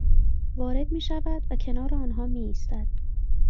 وارد میشود و کنار آنها میایستد